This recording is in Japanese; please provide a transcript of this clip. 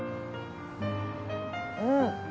うん。